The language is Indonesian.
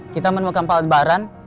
kita menemukan pak aldebaran